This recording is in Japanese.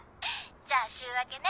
じゃあ週明けね。